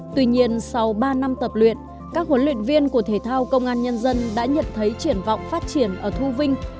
tuy nhiên sau ba năm tập luyện các huấn luyện viên của thể thao công an nhân dân đã nhận thấy triển vọng phát triển ở thu vinh